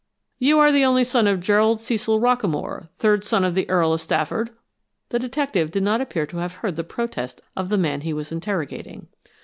"You are the only son of Gerald Cecil Rockamore, third son of the Earl of Stafford?" The detective did not appear to have heard the protest of the man he was interrogating.